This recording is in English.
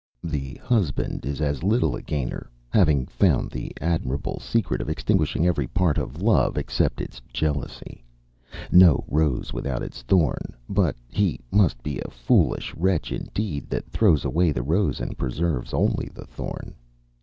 The husband is as little a gainer, having found the admirable secret of extinguishing every part of love, except its jealousy. No rose without its thorn; but he must be a foolish wretch indeed, that throws away the rose and preserves only the thorn.